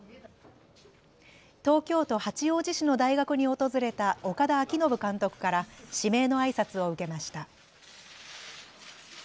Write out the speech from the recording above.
東京都八王子市の大学に訪れた岡田彰布監督から指名のあいさつを受けました。